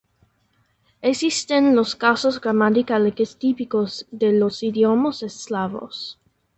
Existen los casos gramaticales típicos de los idiomas eslavos.